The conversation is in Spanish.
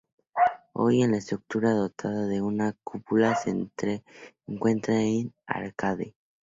Hoy en la estructura, dotada de una cúpula, se encuentra un arcade.